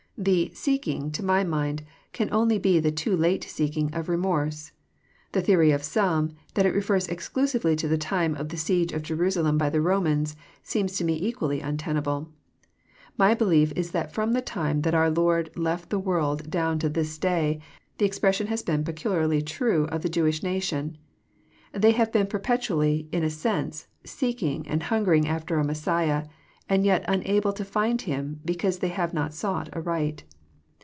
The *' seeking," to my mind, can only be the too late seeking of remorse. — The theory of some, that it refers exclusively to the time of the siege of Jerusalem by the Romans, seems to me equally untenable. My belief is that from the time that our Lord left the world down to this day, the expression has been peculiarly true of the Jew ish nation. They have been perpetually, in a sense, " seeking" and hungering after a Messiah, and yet unable to find Him, be cause they have not sought aright.